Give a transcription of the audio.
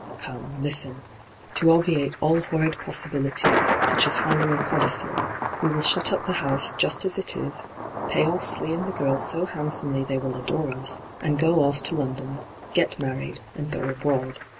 Come, listen 1 To obviate all horrid possibilities, such as find ing a codicil, we will shut up the house just as it is, pay off Slee and ihe girls so hand somely they will adore us, and go off to London, get married, and go abroad.